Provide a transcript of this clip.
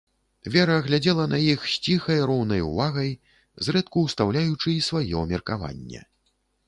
Вера глядзела на іх з ціхай роўнай увагай, зрэдку ўстаўляючы і сваё меркаванне.